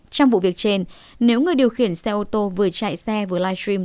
trong vụ việc trên nếu người điều khiển xe ô tô vừa chạy xe vừa live stream